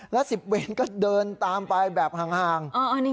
แล้ว๑๐เวรก็เดินตามไปแบบห่าง